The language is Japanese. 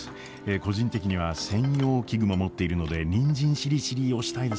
個人的には専用器具も持っているのでにんじんしりしりーを推したいですね。